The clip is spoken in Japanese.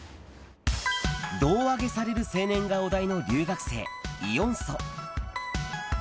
胴上げされる青年がお題の留学生、イ・ヨンソ。